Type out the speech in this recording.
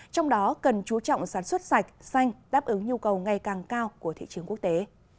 trong đó cần chú trọng sản xuất sạch xanh đáp ứng nhu cầu ngày càng cao của thị trường quốc tế